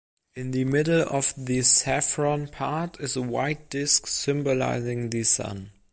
In the middle of the saffron part is a white disc symbolizing the sun.